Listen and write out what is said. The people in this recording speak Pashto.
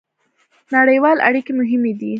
نړیوالې اړیکې مهمې دي